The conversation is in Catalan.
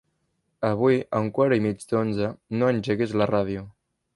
Avui a un quart i mig d'onze no engeguis la ràdio.